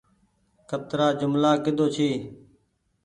ڪترآ ڪآم ڪيۮو ڇي۔